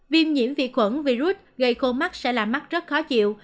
viêm nhiễm việt khuẩn virus gây khô mắt sẽ làm mắt rất khó chịu